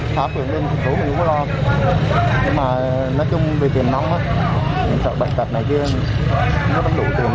theo thống kê ban đầu